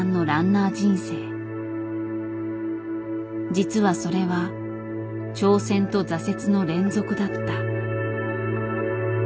実はそれは挑戦と挫折の連続だった。